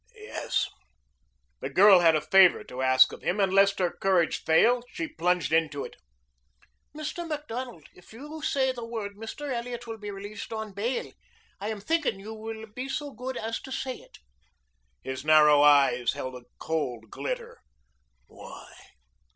"Yes." The girl had a favor to ask of him and lest her courage fail she plunged into it. "Mr. Macdonald, if you say the word Mr. Elliot will be released on bail. I am thinking you will be so good as to say it." His narrowed eyes held a cold glitter. "Why?"